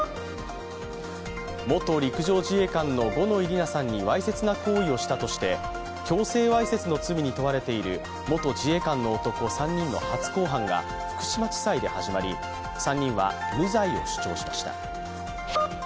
元陸上自衛官の五ノ井里奈さんにわいせつな行為をしたとして強制わいせつの罪に問われている元自衛官の男３人の初公判が福島地裁で始まり、３人は無罪を主張しました。